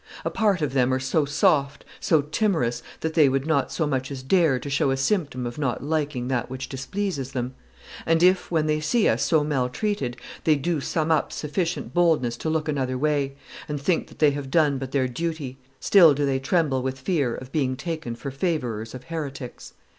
A part of them are so soft, so timorous, that they would not so much as dare to show a symptom of not liking that which displeases them; and if, when they see us so maltreated, they do summon up sufficient boldness to look another way, and think that they have done but their duty, still do they tremble with fear of being taken for favorers of heretics."